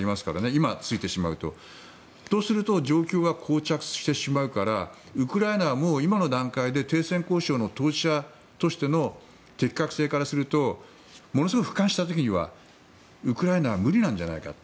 今、着いてしまうと。とすると状況がこう着してしまうからウクライナは今の段階で停戦交渉の当事者としての適格性からするとものすごく俯瞰した時にはウクライナは無理なんじゃないかと。